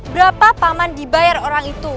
berapa paman dibayar orang itu